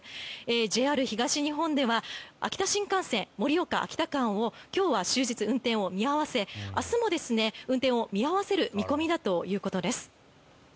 ＪＲ東日本では秋田新幹線、盛岡秋田間を今日は終日運転を見合わせ明日も運転を見合わせる見込みだということです。